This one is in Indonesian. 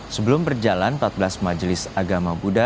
sebelum berjalan empat belas majelis agama buddha